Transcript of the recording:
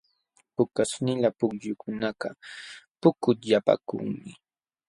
Pukaśhnila pukyukunakaq pukutyapaakunmi.